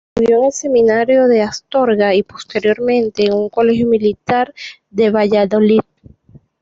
Estudió en el seminario de Astorga y posteriormente en un colegio militar de Valladolid.